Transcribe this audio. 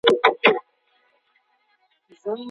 د نکاح پر وخت کوم معلومات بايد تبادله سي؟